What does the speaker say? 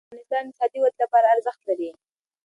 رسوب د افغانستان د اقتصادي ودې لپاره ارزښت لري.